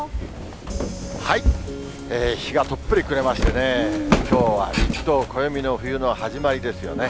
日がとっぷり暮れましてね、きょうは立冬、暦の冬の始まりですよね。